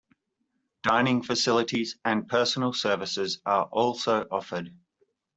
Dining facilities and personal services are also offered.